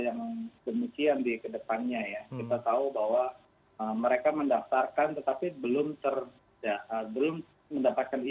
dan kemudian demikian ya ke depannya kita tahu bahwa mereka mendaftarkan tetapi belum mendapatkan izin